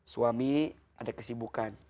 suami ada kesibukan